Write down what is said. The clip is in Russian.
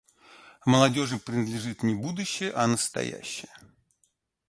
Молодежи принадлежит не будущее, а настоящее.